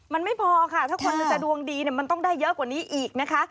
มันไม่พอค่ะถ้าคนหนึ่งจะดวงดีมันต้องได้เยอะกว่านี้อีกนะคะ